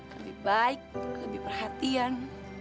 lebih baik lebih perhatian